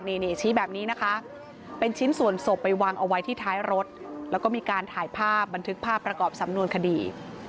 นี่ชี้แบบนี้นะคะเป็นชิ้นส่วนศพไปวางเอาไว้ที่ท้ายรถแล้วก็มีการถ่ายภาพบันทึกภาพประกอบสำนวนคดี